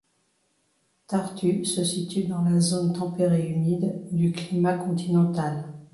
Tartu se situe dans la zone tempérée humide du climat continental.